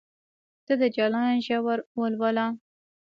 ته د جلان ژور ولوله